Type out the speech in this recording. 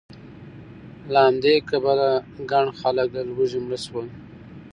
له همدې کبله ګڼ خلک له لوږې مړه شول